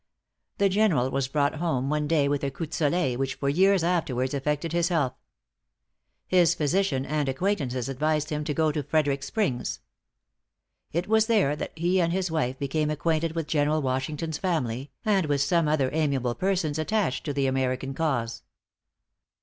The General was brought home one day with a coup de soleil, which for years afterwards affected his health. His physician and acquaintances advised him to go to Frederic Springs. It was there that he and his wife became acquainted with General Washington's family, and with some other amiable persons attached to the American cause.